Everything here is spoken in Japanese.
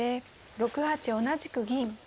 ６八同じく銀。